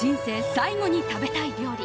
最後に食べたい料理。